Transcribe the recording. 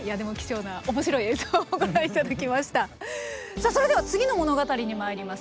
さあそれでは次の物語にまいります。